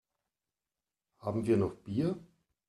Haben wir noch Bier?